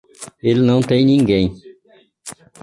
Ele não tem ninguém